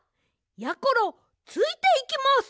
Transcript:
やころついていきます！